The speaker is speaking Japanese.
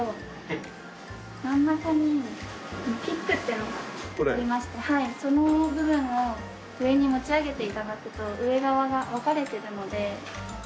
真ん中にピックっていうのがありましてその部分を上に持ち上げて頂くと上側が分かれてるので。